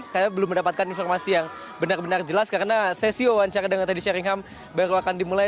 saya belum mendapatkan informasi yang benar benar jelas karena sesi wawancara dengan teddy sheringham baru akan dimulai